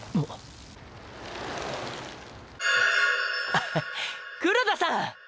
アハ黒田さん！！